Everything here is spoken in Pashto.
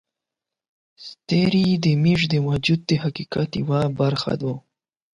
ستوري زموږ د وجود د حقیقت یوه برخه دي.